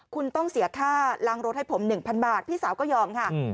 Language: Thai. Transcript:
คุณต้องเสียค่าล้างรถให้ผม๑๐๐บาทพี่สาวก็ยอมค่ะ